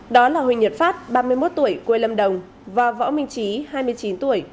đó là huỳnh nhật phát ba mươi một tuổi quê lâm đồng và võ minh trí hai mươi chín tuổi